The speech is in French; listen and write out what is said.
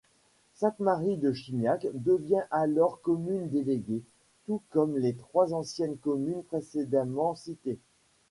Sainte-Marie-de-Chignac devient alors commune déléguée, tout comme les trois anciennes communes précédemment citées.